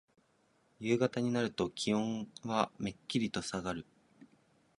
夕方になると気温はめっきりとさがる。